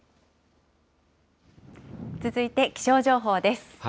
続いて気象情報です。